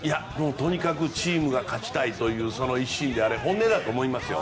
とにかくチームが勝ちたいというその一心であれ、本音だと思いますよ。